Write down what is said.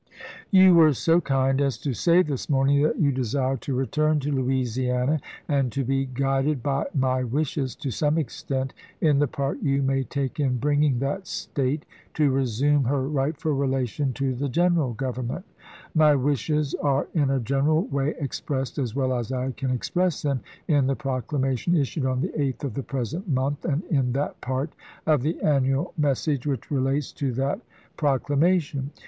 You were so kind as to say this morning that you de sire to return to Louisiana, and to be guided by my wishes, to some extent, in the part you may take in bring ing that State to resume her rightfid relation to the General Government; my wishes are in a general way expressed as well as I can express them in the proclama tion issued on the eighth of the present month, and in that part of the annual message which relates to that proc lamation.